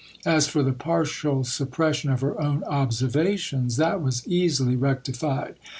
As for the partial suppression of her own "Observations," that was easily rectified.